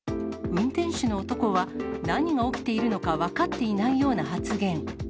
運転手の男は、何が起きているのか分かっていないような発言。